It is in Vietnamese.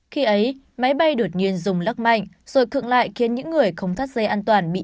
khi ấy máy bay đột nhiên dùng lắc mạnh rồi thượng lại khiến những người không thắt dây an toàn